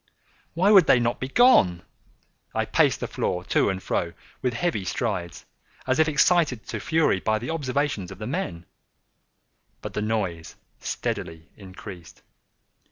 Why would they not be gone? I paced the floor to and fro with heavy strides, as if excited to fury by the observations of the men—but the noise steadily increased.